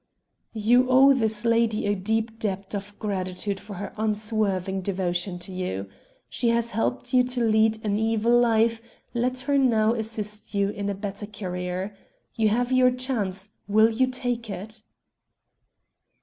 "You owe this lady a deep debt of gratitude for her unswerving devotion to you. She has helped you to lead an evil life; let her now assist you in a better career. You have your chance. Will you take it?"